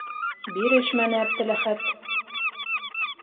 Бирешмәне Әптеләхәт.